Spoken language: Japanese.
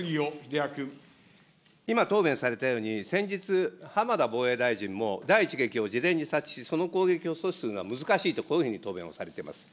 今、答弁されたように、先日、浜田防衛大臣も、第１撃を事前に察知し、その攻撃を阻止するのは難しいと、こういうふうに答弁をされてます。